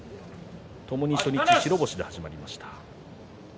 ともに初日白星で始まりました。